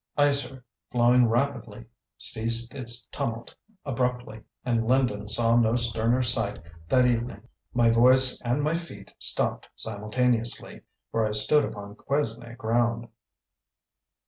"Isar flowing rapidly" ceased its tumult abruptly, and Linden saw no sterner sight that evening: my voice and my feet stopped simultaneously for I stood upon Quesnay ground.